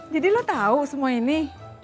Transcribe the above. jadi lo tau semua ini